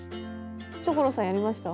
所さんやりました？